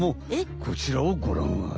こちらをごらんあれ！